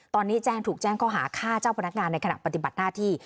ตอนนี้แจ้งถูกแจ้งข้อหาฆ่าเจ้าพนักงานในขณะปฏิบัติหน้าที่